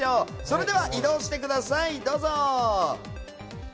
それでは移動してください。